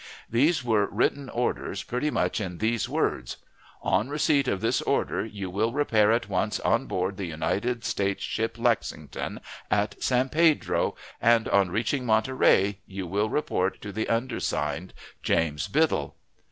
These were written orders pretty much in these words: "On receipt of this order you will repair at once on board the United States ship Lexington at San Pedro, and on reaching Monterey you will report to the undersigned. JAMES BIDDLE."